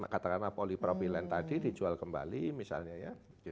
katakanlah polipropilen tadi dijual kembali misalnya ya